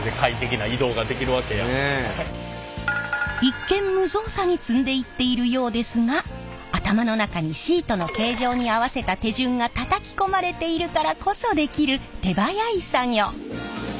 一見無造作に積んでいっているようですが頭の中にシートの形状に合わせた手順がたたき込まれているからこそできる手早い作業。